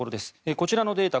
こちらのデータ